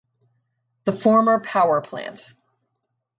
The former power plant